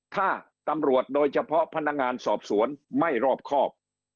ถ้าตำรวจโดยเฉพาะพนักงานสอบสวนไม่รอบครอบ